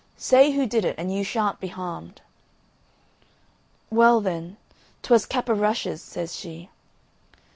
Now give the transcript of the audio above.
"Say who did it, and you shan't be harmed." "Well, then, 'twas Cap o' Rushes," says she.